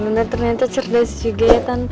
bener ternyata cerdas juga ya tante